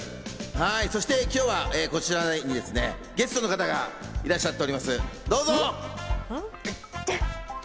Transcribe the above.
そして今日はこちらにゲストの方がいらっしゃっております、どうぞ。